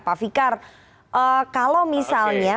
pak fikar kalau misalnya